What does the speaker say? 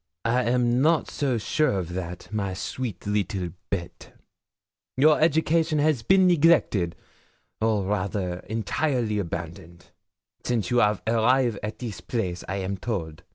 'I am not so sure of that, my sweet little béte; your education has been neglected, or rather entirely abandoned, since you 'av arrive at this place, I am told.